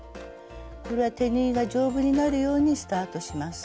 これは手縫いが丈夫になるようにスタートします。